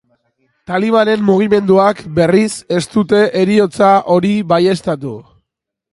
Talibanen mugimenduak, berriz, ez dute heriotza hori baieztatu.